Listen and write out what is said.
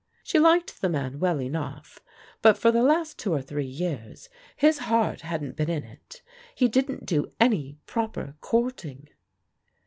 She liked the man well enough; but for the last two or three years "his heart hadn't been in it. He didn't do any proper courting."